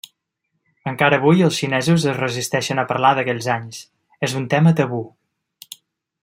Encara avui els xinesos es resisteixen a parlar d'aquells anys; és un tema tabú.